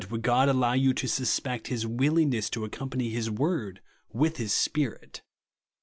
97 God allow you to suspect his willingness to accompany liis word with his Spirit.